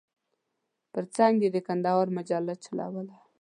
پر څنګ یې د کندهار مجله چلوله.